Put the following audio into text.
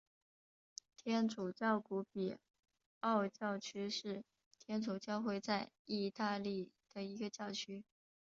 天主教古比奥教区是天主教会在义大利的一个教区。